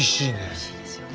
厳しいですよね。